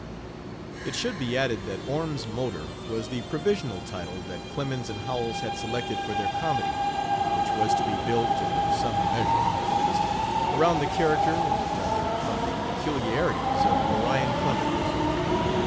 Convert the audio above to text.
It should be added that 'Orme's Motor' was the provisional title that Clemens and Howells had selected for their comedy, which was to be built, in some measure, at least, around the character, or rather from the peculiarities, of Orion Clemens.